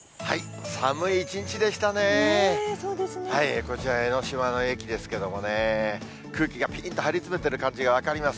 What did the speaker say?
こちら、江の島の駅ですけどもね、空気がぴんと張りつめている感じが分かります。